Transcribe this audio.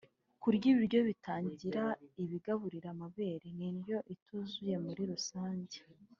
kurya ibiryo bitagira ibigaburira amabere n’indyo ituzuye muri rusange